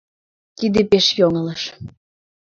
Тиде пеш йоҥылыш!